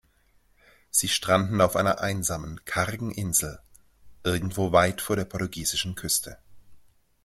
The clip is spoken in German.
Sie stranden auf einer einsamen, kargen Insel irgendwo weit vor der portugiesischen Küste.